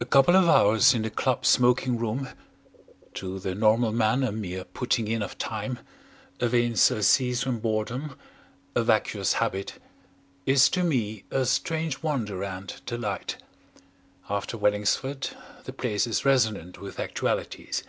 A couple of hours in a club smoking room to the normal man a mere putting in of time, a vain surcease from boredom, a vacuous habit is to me, a strange wonder and delight. After Wellingsford the place is resonant with actualities.